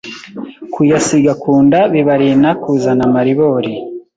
kuyasiga ku nda bibarina kuzana amaribori